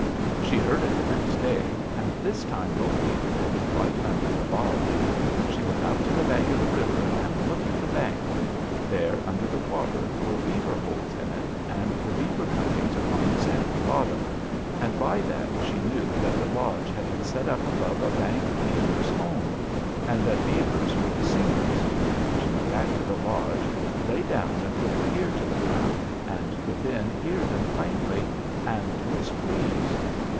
"She heard it the next day, and this time located it, right under the lodge. She went out to the bank of the river and looked at the bank: there, under the water, were beaver holes in it, and beaver cuttings upon the sandy bottom, and by that she knew that the lodge had been set up above a bank beaver's home, and that beavers were the singers. She went back to the lodge, lay down and put her ear to the ground, and could then hear them plainly, and was pleased.